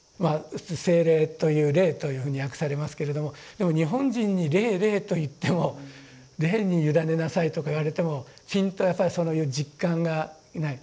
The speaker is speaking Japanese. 「聖霊」という霊というふうに訳されますけどもでも日本人に霊霊といっても霊に委ねなさいとか言われてもやっぱりそういう実感がない。